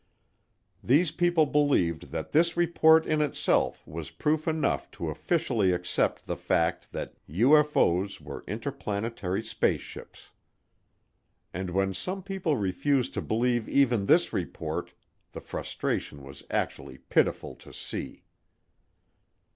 These people believed that this report in itself was proof enough to officially accept the fact that UFO's were interplanetary spaceships. And when some people refused to believe even this report, the frustration was actually pitiful to see.